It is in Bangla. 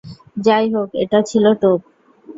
যাইহোক এটি ছিল টোপ।